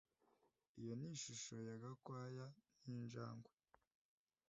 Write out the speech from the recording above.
Iyo ni ishusho ya Gakwaya ninjangwe